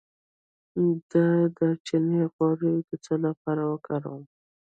د دارچینی غوړي د څه لپاره وکاروم؟